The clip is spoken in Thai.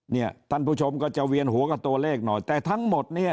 เนี่ยท่านผู้ชมก็จะเวียนหัวกับตัวเลขหน่อยแต่ทั้งหมดเนี่ย